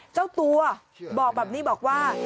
เจ้าตัวบอกแบบนี้บอกว่า